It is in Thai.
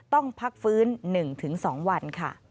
ต้องพักฟื้น๑๒วันค่ะ